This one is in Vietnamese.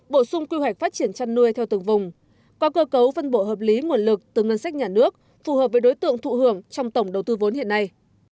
bổ sung quy hoạch phát triển chăn nuôi theo từng vùng có cơ cấu phân bộ hợp lý nguồn lực từ ngân sách nhà nước phù hợp với đối tượng thụ hưởng trong tổng đầu tư vốn hiện nay